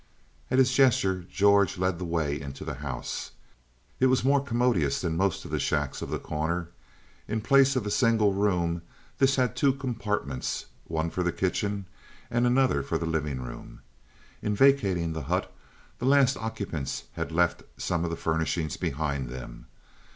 At his gesture, George led the way into the house. It was more commodious than most of the shacks of The Corner. In place of a single room this had two compartments one for the kitchen and another for the living room. In vacating the hut, the last occupants had left some of the furnishings behind them.